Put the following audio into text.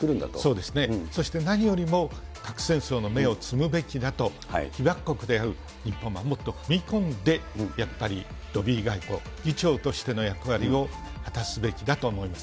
そうですね、そして、何よりも核戦争の芽を摘むべきだと、被爆国である日本がもっと踏み込んで、やっぱりロビー外交、議長としての役割を果たすべきだと思います。